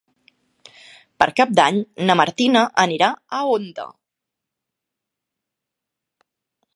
Per Cap d'Any na Martina anirà a Onda.